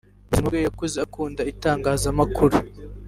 Mu buzima bwe yakuze akunda itangazamakuru